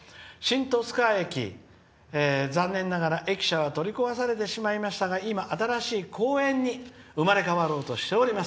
新十津川駅、残念ながら取り壊されてしまいましたが今、新しい公園に生まれ変わろうとしております。